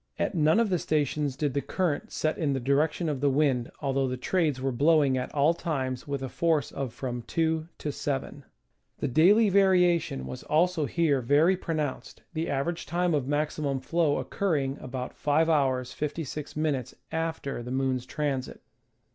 At none of the stations did the current set in the direction of the wind, although the trades were blowing at all times with a force of from 2 to 1. The daily variation was also here very pronounced, the average time of maximum flow occurring about 5'^ 56'" after the moon's transit.